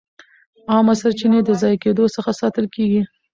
عامه سرچینې د ضایع کېدو څخه ساتل کېږي.